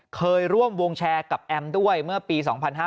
เคยร่วมวงแชร์กับแอมด้วยเมื่อปี๒๕๕๙